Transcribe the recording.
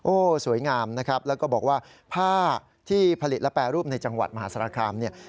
โอ้โหสวยงามนะครับแล้วก็บอกว่าผ้าที่ผลิตและแปรรูปในจังหวัดมหาสารคามเนี่ย